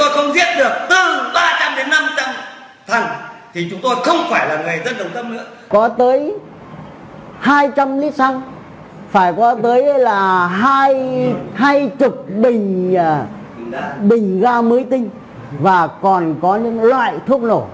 chúng tôi đã chụp bình ga mới tinh và còn có những loại thuốc nổ